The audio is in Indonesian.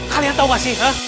kalian tau gak sih